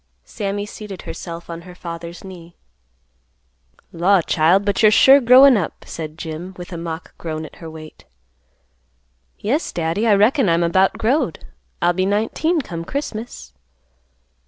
Sammy seated herself on her father's knee. "Law', child, but you're sure growin' up," said Jim, with a mock groan at her weight. "Yes, Daddy, I reckon I'm about growed; I'll be nineteen come Christmas."